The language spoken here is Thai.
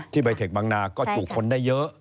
ใบเทคบางนาก็จุคนได้เยอะ